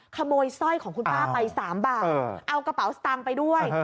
สร้อยของคุณป้าไป๓บาทเอากระเป๋าสตางค์ไปด้วย